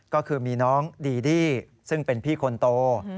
ก็คือมีน้องดีดี้ซึ่งเป็นพี่คนโต